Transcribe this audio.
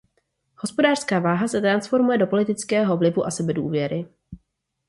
Hospodářská váha se transformuje do politického vlivu a sebedůvěry.